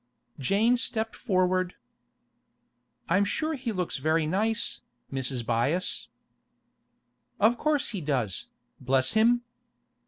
Jane stepped forward. 'I'm sure he looks very nice, Mrs. Byass.' 'Of course he does, bless him!